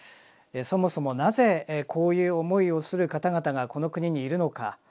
そもそもなぜこういう思いをする方々がこの国にいるのか。